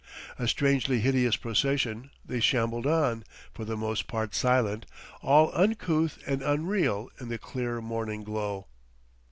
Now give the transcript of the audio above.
A strangely hideous procession, they shambled on, for the most part silent, all uncouth and unreal in the clear morning glow.